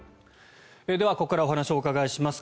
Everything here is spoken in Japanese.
ではここからお話を伺います。